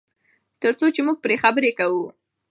تر څو چې موږ پرې خبرې کوو.